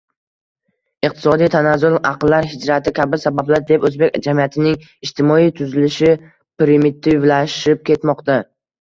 Iqtisodiy tanazzul, aqllar hijrati kabi sabablar deb o’zbek jamiyatining ijtimoiy tuzilishi primitivlashib ketmoqda.